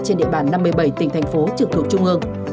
trên địa bàn năm mươi bảy tỉnh thành phố trực thuộc trung ương